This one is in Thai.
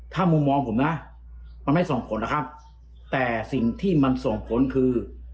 ถ้ามุมมองผมนะมันไม่ส่งผลนะครับแต่สิ่งที่มันส่งผลคือ